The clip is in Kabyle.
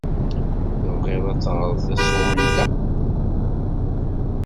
Tebɣiḍ ad teɣreḍ tasɣunt-a?